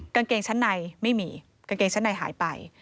กางเกงชั้นในไม่มีกางเกงชั้นในหายไป